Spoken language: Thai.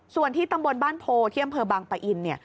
ส่วนที่ตำบลบ้านโพที่อำเภอบางปะอินเนี่ย